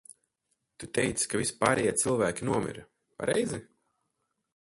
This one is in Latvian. Tu teici, ka visi pārējie cilvēki nomira, pareizi?